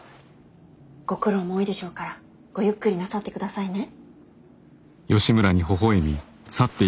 ご苦労も多いでしょうからごゆっくりなさってくださいね。